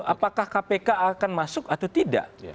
apakah kpk akan masuk atau tidak